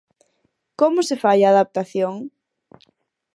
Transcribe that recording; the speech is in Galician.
Como se fai a adaptación?